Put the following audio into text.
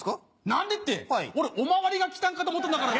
何でって俺お巡りが来たんかと思ったんだから。